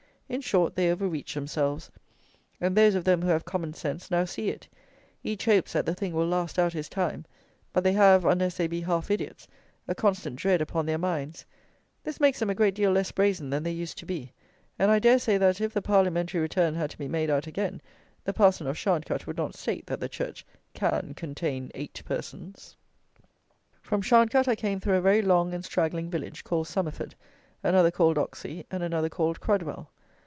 In short, they over reached themselves; and those of them who have common sense now see it: each hopes that the thing will last out his time; but they have, unless they be half idiots, a constant dread upon their minds: this makes them a great deal less brazen than they used to be; and I dare say that, if the parliamentary return had to be made out again, the parson of Sharncut would not state that the church "can contain eight persons." From Sharncut I came through a very long and straggling village, called Somerford, another called Ocksey, and another called Crudwell.